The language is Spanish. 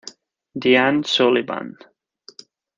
Diane Sullivan.